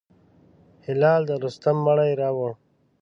هلال د رستم مړی راووړ.